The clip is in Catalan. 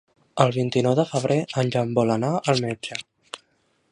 El vint-i-nou de febrer en Jan vol anar al metge.